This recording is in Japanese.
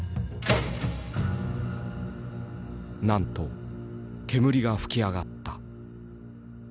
なんと煙が噴き上がった。